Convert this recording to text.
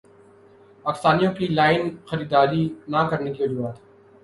پاکستانیوں کی لائن خریداری نہ کرنے کی وجوہات